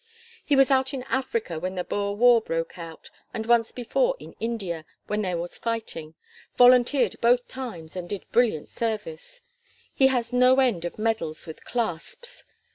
He was out in Africa when the Boer War broke out, and once before in India, when there was fighting, volunteered both times and did brilliant service. He has no end of medals with clasps.